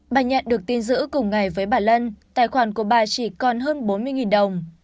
bà nhận được tin giữ cùng ngày với bà lân tài khoản của bà chỉ còn hơn bốn mươi đồng